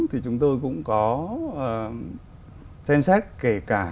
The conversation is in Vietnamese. thì chúng tôi cũng có xem xét kể cả